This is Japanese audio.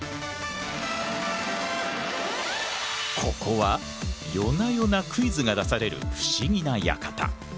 ここは夜な夜なクイズが出される不思議な館。